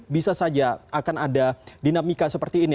bisa saja akan ada dinamika seperti ini